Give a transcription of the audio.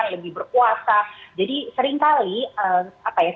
mereka menjadi orang yang hakkas